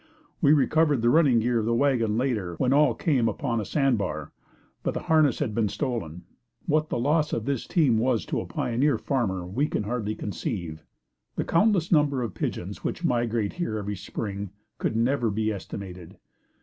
We recovered the running gear of the wagon later when all came upon a sandbar, but the harness had been stolen. What the loss of this team was to a pioneer farmer, we can hardly conceive. The countless number of pigeons which migrated here every spring could never be estimated.